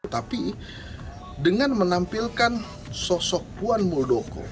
tapi dengan menampilkan sosok puan muldoko